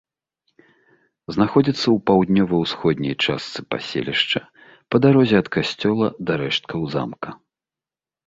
Знаходзіцца ў паўднёва-ўсходняй частцы паселішча, па дарозе ад касцёла да рэшткаў замка.